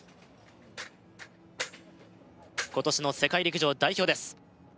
今年の世界陸上代表です